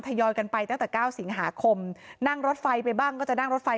ยอยกันไปตั้งแต่เก้าสิงหาคมนั่งรถไฟไปบ้างก็จะนั่งรถไฟ